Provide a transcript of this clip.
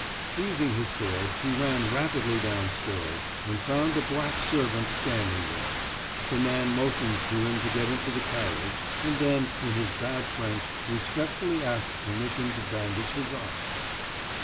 Seizing his sword, he ran rapidly downstairs, and found the black servant standing there. The man motioned him to get into the carriage, and then, in his bad French, respectfully asked permission to bandage his eyes.